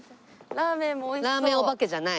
ラーメンお化けじゃない？